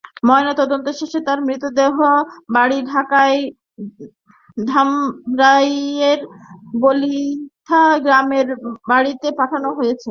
ময়নাতদন্ত শেষে তাঁর মরদেহ বাড়ি ঢাকার ধামরাইয়ের বালিথা গ্রামের বাড়িতে পাঠানো হয়েছে।